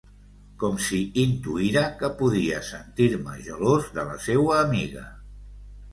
Com si intuïra que podia sentir-me gelós de la seua amiga.